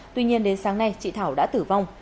tuy nhiên đến sáng nay chị thảo đã tử vong